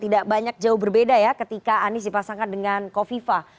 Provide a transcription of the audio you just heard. tidak banyak jauh berbeda ya ketika anies dipasangkan dengan kofifa